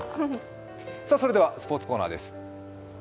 それではスポーツコーナーです。